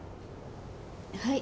はい？